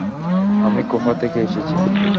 আমি কুফা থেকে এসেছি।